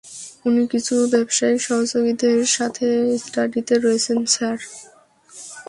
উনি কিছু ব্যবসায়িক সহযোগীদের সাথে স্টাডিতে রয়েছেন, স্যার।